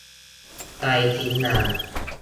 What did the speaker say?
ใครทิ้งงาน